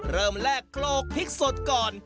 เริ่มแรกโคลกพริกสดก่อน